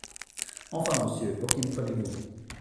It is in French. Enfin, monsieur, pour qui me prenez-vous ?